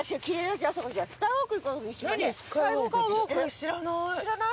知らない？